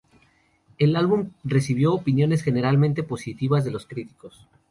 El álbum recibió opiniones generalmente positivas de los críticos.